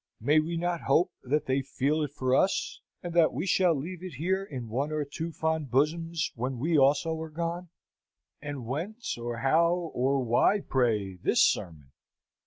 May we not hope that they feel it for us, and that we shall leave it here in one or two fond bosoms, when we also are gone? And whence, or how, or why, pray, this sermon?